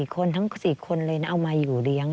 คนทั้ง๔คนเลยนะเอามาอยู่เลี้ยง